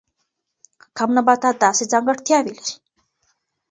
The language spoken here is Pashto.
کم نباتات داسې ځانګړتیاوې لري.